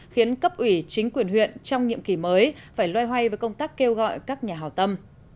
khiến cấp ủy chính quyền huyện trong nhiệm kỳ mới phải loay hoay với công tác kêu gọi các nhà hào tâm